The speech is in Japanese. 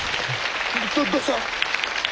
どどうした！？